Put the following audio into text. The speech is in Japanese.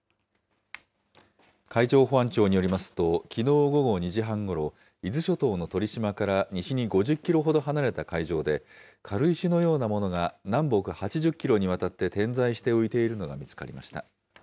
海上保安庁によりますと、きのう午後２時半ごろ、伊豆諸島の鳥島から西に５０キロほど離れた海上で、軽石のようなものが南北８０キロにわたって点在して浮いているのが見つかりました。